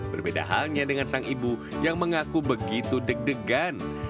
berbeda halnya dengan sang ibu yang mengaku begitu deg degan